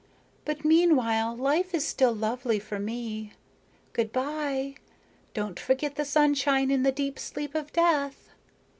But meanwhile life is still lovely for me. Good by. Don't forget the sunshine in the deep sleep of death."